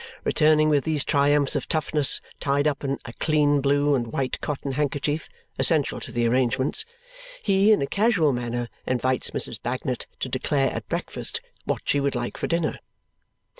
Returning with these triumphs of toughness tied up in a clean blue and white cotton handkerchief (essential to the arrangements), he in a casual manner invites Mrs. Bagnet to declare at breakfast what she would like for dinner.